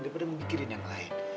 daripada mikirin yang lain